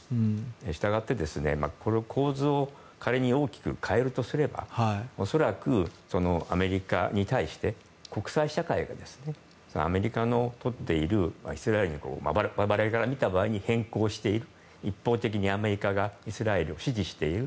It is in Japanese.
したがって、この構図を仮に大きく変えるとすれば恐らくアメリカに対して国際社会が我々から見た場合に今までと変更して一方的にアメリカがイスラエルを支持していく。